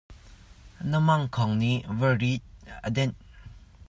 Na mangkhawng nih varit a denh.